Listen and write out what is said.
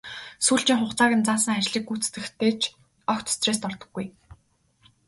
Сүүлчийн хугацааг нь заасан ажлыг гүйцэтгэхдээ ч огт стресст ордоггүй.